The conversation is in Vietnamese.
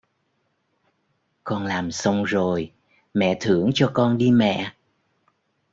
Con làm xong rồi mẹ thưởng cho con đi mẹ